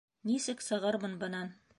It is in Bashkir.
Нисек сығырмын бынан?